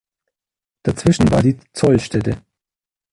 Dazwischen war die Zollstelle.